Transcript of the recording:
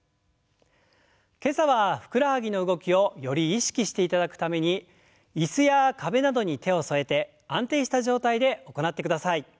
今朝はふくらはぎの動きをより意識していただくために椅子や壁などに手を添えて安定した状態で行ってください。